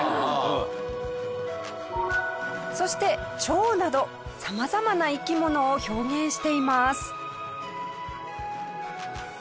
そして蝶など様々な生き物を表現しています。